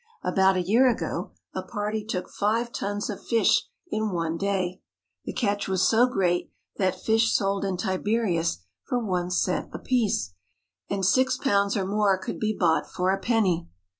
About a year ago a party took five tons of fish in one day. The catch was so great that fish sold in Tiberias for one cent apiece, and six pounds or more could be bought for a penny.